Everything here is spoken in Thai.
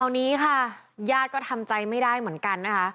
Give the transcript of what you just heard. ตอนนี้ค่ะญาติก็ทำใจไม่ได้เหมือนกันนะคะ